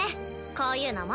こういうのも。